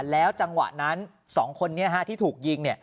แล้วจังหวะนั้น๒คนนี้ที่ถูกยิง